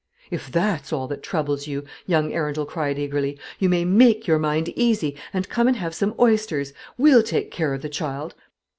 "If that's all that troubles you," young Arundel cried eagerly, "you may make your mind easy, and come and have some oysters. We'll take care of the child.